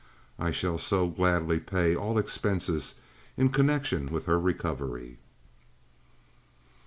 I shall so gladly pay all expenses in connection with her recovery."